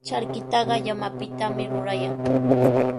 Charkitaqa llamapitami rurayan.